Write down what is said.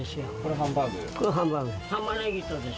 ハンバーグです。